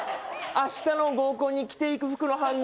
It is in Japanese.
明日の合コンに着ていく服の反応